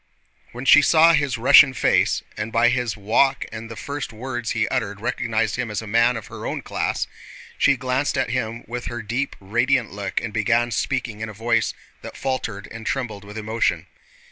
When she saw his Russian face, and by his walk and the first words he uttered recognized him as a man of her own class, she glanced at him with her deep radiant look and began speaking in a voice that faltered and trembled with emotion.